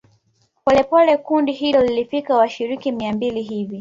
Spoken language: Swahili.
Polepole kundi hilo lilifikia washiriki mia mbili hivi